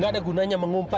tanpa kurang satu apa